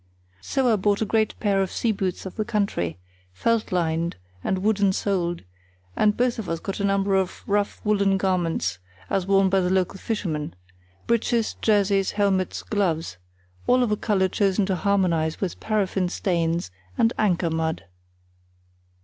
So I bought a great pair of seaboots of the country, felt lined and wooden soled, and both of us got a number of rough woollen garments (as worn by the local fishermen), breeches, jerseys, helmets, gloves; all of a colour chosen to harmonise with paraffin stains and anchor mud.